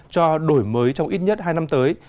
cho đổi mới trong ít nhất hai năm tới